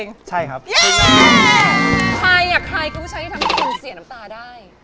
ผู้ชายที่ทำให้คนเสียน้ำตาได้